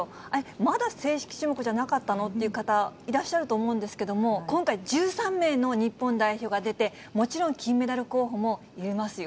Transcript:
まだ正式種目じゃなかったのって言う方、いらっしゃると思うんですけれども、今回、１３名の日本代表が出て、もちろん金メダル候補もいますよ。